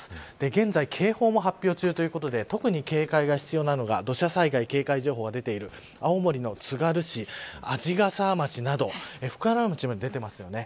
現在警報も発表中ということで特に警戒が必要なのが土砂災害警戒情報が出ている青森のつがる市、鰺ヶ沢町など深浦町も出てますね。